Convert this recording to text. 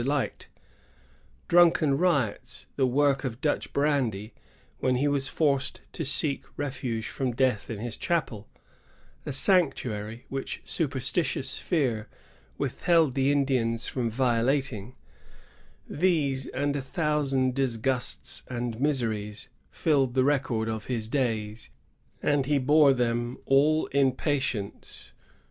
delight; dninken riots, the work of Dutch brandy, when he was forced to seek refuge from death in his chapeL — a sanctuary which superstitious fear with belftte Indians fZ violating, these, and a thou sand disgusts and miseries, fiUed the record of his days; and he bore them all in patience.